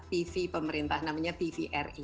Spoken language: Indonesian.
tv pemerintah namanya tvri